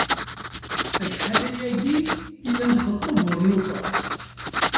Acḥal ayagi i la nxeṭṭeb ur nufa.